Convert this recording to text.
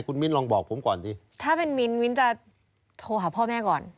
คุณมิ้นลองบอกผมก่อนสิถ้าเป็นมิ้นมิ้นจะโทรหาพ่อแม่ก่อน